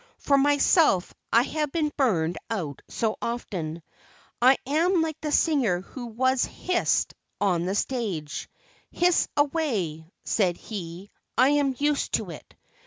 For myself, I have been burned out so often, I am like the singer who was hissed on the stage; "Hiss away," said he, "I am used to it."